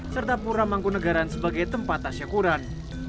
serta pura mangkunagaran sebagai tempat tasyakuran